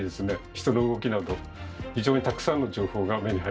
人の動きなど非常にたくさんの情報が目に入ってきます。